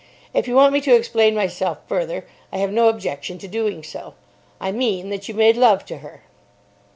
If you want me to explain myself further, I have no objection to doing so. I mean that you made love to her."